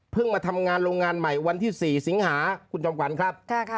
มาทำงานโรงงานใหม่วันที่๔สิงหาคุณจอมขวัญครับ